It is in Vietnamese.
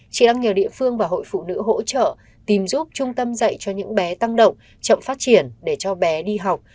chị đang nhờ địa phương và hội phụ nữ hỗ trợ tìm giúp trung tâm dạy cho những bé tăng động chậm phát triển để cho bé đi học